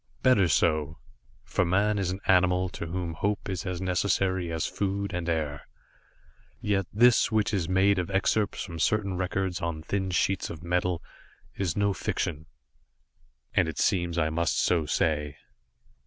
Better so for man is an animal to whom hope is as necessary as food and air. Yet this which is made of excerpts from certain records on thin sheets of metal is no fiction, and it seems I must so say.